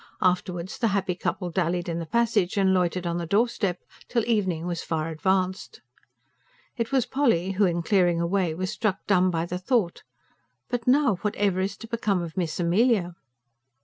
Afterwards the happy couple dallied in the passage and loitered on the doorstep, till evening was far advanced. It was Polly who, in clearing away, was struck dumb by the thought: "But now whatever is to become of Miss Amelia?"